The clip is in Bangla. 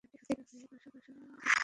জেলাটি হাতির অভিবাসন পথে পড়ে।